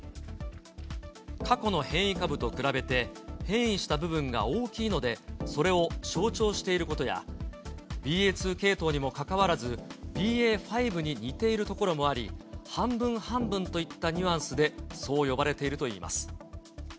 過去の変異株と比べて、変異した部分が大きいので、それを象徴していることや、ＢＡ．２系統にもかかわらず、ＢＡ．５に似ているところもあり、半分半分といったニュアンスでそう呼ばれているといいます。